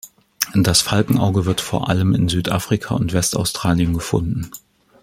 Das Falkenauge wird vor allem in Südafrika und Westaustralien gefunden.